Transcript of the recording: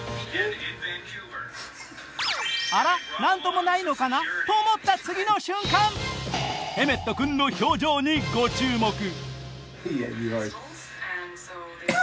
あら、何ともないのかなと思った次の瞬間、エメット君の表情にご注目。